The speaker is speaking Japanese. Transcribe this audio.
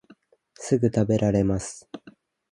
すぐたべられます